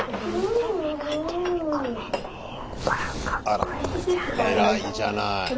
あら偉いじゃない。